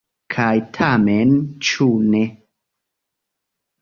Kaj tamen, ĉu ne?